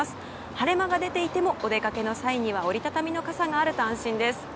晴れ間が出ていてもお出かけの際は折り畳みの傘があると安心です。